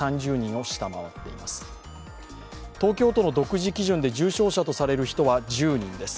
東京都の独自基準で重症者とされる人は１０人です。